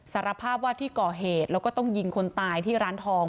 สารภาพว่าที่ก่อเหตุแล้วก็ต้องยิงคนตายที่ร้านทอง